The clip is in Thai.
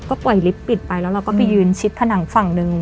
ก็ปล่อยลิฟต์ปิดไปแล้วเราก็ไปยืนชิดผนังฝั่งหนึ่ง